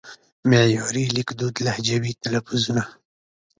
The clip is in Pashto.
معیاري لیکدود لهجوي تلفظونه